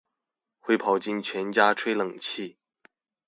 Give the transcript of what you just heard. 會跑進全家吹冷氣